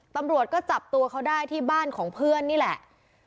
ตำรวจก็จับตัวเขาได้ที่บ้านของเพื่อนนี่แหละ